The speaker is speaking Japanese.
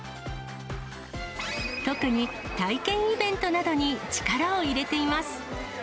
特に体験イベントなどに力を入れています。